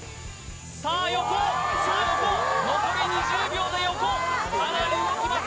さあ横さあ横残り２０秒で横かなり動きます